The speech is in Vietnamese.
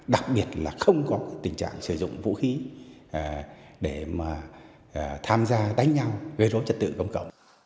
đặc biệt là không có tình trạng sử dụng vũ khí để mà tham gia đánh nhau gây rối trật tự công cộng